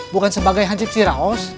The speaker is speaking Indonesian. bukan sebagai hancur si raos